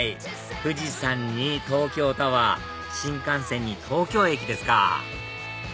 富士山に東京タワー新幹線に東京駅ですか